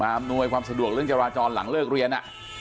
อำนวยความสะดวกเรื่องจราจรหลังเลิกเรียน